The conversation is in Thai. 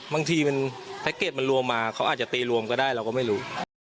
บางทีมันแพ็กเกจมันรวมมาเขาอาจจะตีรวมก็ได้เราก็ไม่รู้